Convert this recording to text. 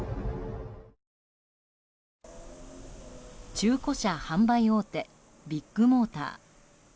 中古車販売大手ビッグモーター。